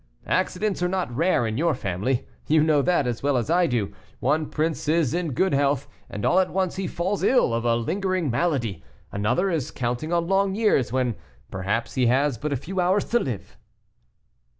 Accidents are not rare in your family; you know that, as well as I do. One prince is in good health, and all at once he falls ill of a lingering malady; another is counting on long years, when, perhaps, he has but a few hours to live."